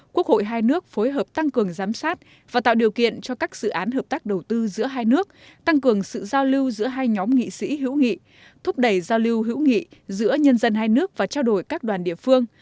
quốc hội hai nước phối hợp tăng cường giám sát và tạo điều kiện cho các dự án hợp tác đầu tư giữa hai nước tăng cường sự giao lưu giữa hai nhóm nghị sĩ hữu nghị thúc đẩy giao lưu hữu nghị giữa nhân dân hai nước và trao đổi các đoàn địa phương